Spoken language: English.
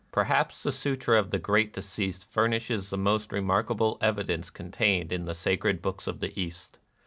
Perhaps the Sutra of the Great Decease furnishes the most remarkable evidence contained in the " Sacred Books of the East.